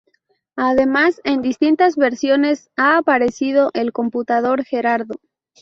Además, en distintas versiones, ha aparecido el "computador Gerardo".